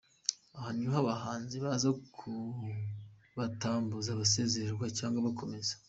Aha niho abahanzi baza kuba batambuka basezererwa cyangwa bakomeza.